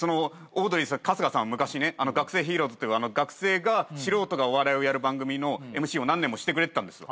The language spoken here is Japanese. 春日さんは昔ね『学生ＨＥＲＯＥＳ！』という学生が素人がお笑いをやる番組のＭＣを何年もしてくれてたんですよ。